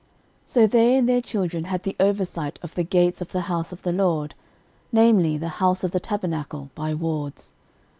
13:009:023 So they and their children had the oversight of the gates of the house of the LORD, namely, the house of the tabernacle, by wards.